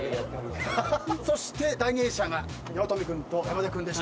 そして第２泳者が八乙女君と山田君でした。